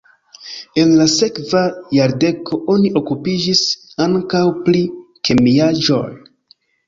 En la sekva jardeko oni okupiĝis ankaŭ pri kemiaĵoj.